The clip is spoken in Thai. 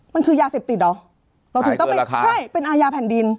มันคือยาเสพติดเหรอเราถึงต้องไปใช่เป็นอาญาแผ่นดิน